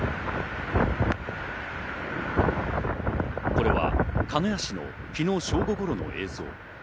これは鹿屋市の昨日、正午頃の映像。